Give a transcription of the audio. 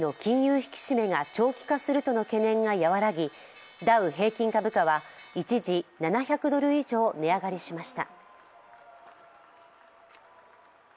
引き締めが長期化するとの懸念が和らぎダウ平均株価は一時７００ドル以上値上がりしました。